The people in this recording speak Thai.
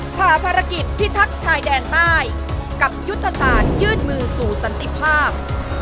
ผ่าภารกิจพิทักษ์ชายแดนใต้กับยุทธศาสตร์ยื่นมือสู่สันติภาพ